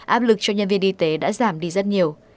áp lực cho nhân viên y tế đã giảm đi rất nhiều